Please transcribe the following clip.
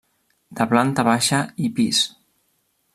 De planta baixa i pis.